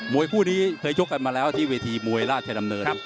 วยคู่นี้เคยชกกันมาแล้วที่เวทีมวยราชดำเนินครับ